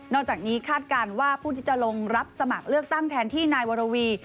อกจากนี้คาดการณ์ว่าผู้ที่จะลงรับสมัครเลือกตั้งแทนที่นายวรวี